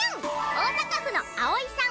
大阪府のあおいさん